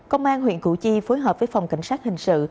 công an huyện củ chi phối hợp với phòng cảnh sát hình sự